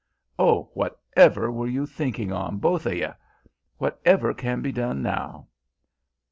Oh, whatever were you thinking on, both of ye! Whatever can be done now!"